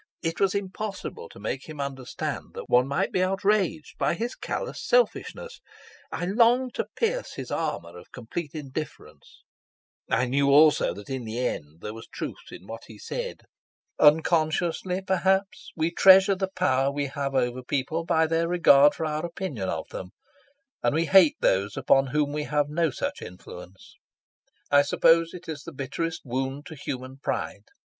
It was impossible to make him understand that one might be outraged by his callous selfishness. I longed to pierce his armour of complete indifference. I knew also that in the end there was truth in what he said. Unconsciously, perhaps, we treasure the power we have over people by their regard for our opinion of them, and we hate those upon whom we have no such influence. I suppose it is the bitterest wound to human pride.